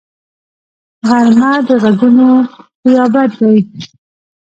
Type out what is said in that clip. غرمه د غږونو غیابت دی